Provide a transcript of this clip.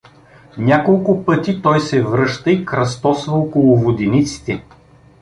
Няколко пъти той се връща и кръстосва около водениците.